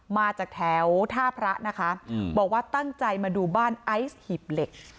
มาจากแถวท่าพระนะคะบอกว่าตั้งใจมาดูบ้านไอซ์หีบเหล็ก